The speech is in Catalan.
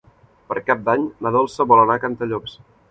Per Cap d'Any na Dolça vol anar a Cantallops.